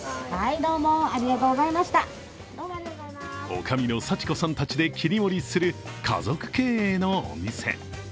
女将の幸子さんたちで切り盛りする家族経営のお店。